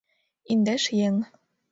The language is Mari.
— Индеш еҥ.